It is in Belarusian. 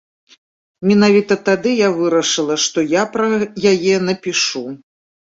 Менавіта тады я вырашыла, што я пра яе напішу.